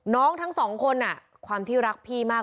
ทั้งสองคนความที่รักพี่มาก